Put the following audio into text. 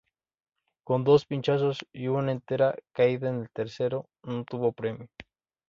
Con dos pinchazos y una entera caída, en el tercero no tuvo premio.